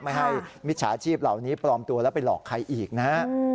ไม่ให้มิจฉาชีพเหล่านี้ปลอมตัวแล้วไปหลอกใครอีกนะฮะ